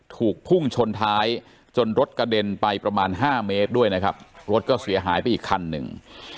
ถูกพุ่งชนท้ายจนรถกระเด็นไปประมาณ๕เมตรด้วยนะครับรถก็เสียหายไปอีกคันหนึ่ง